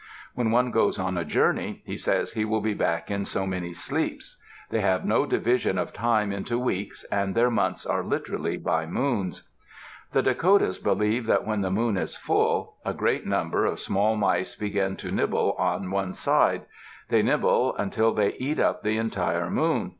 When one goes on a journey, he says he will be back in so many sleeps. They have no division of time into weeks, and their months are literally by moons. The Dakotas believe that when the moon is full, a great number of small mice begin to nibble on one side. They nibble until they eat up the entire moon.